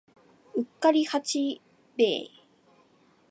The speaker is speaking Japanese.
うっかり八兵衛